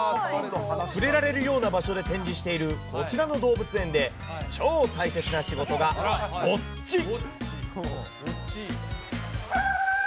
触れられるような場所で展示している、こちらの動物園で超大切な仕事がウォッチ。